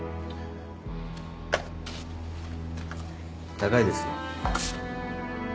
高いですよ。